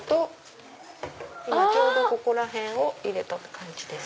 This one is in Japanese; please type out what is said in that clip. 今ここら辺を入れた感じです。